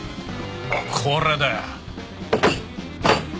これだよ。